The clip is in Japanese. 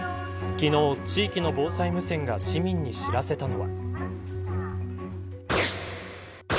昨日、地域の防災無線が市民に知らせたのは。